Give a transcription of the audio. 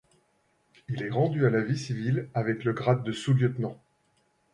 Il est rendu à la vie civile avec le grade de sous-lieutenant.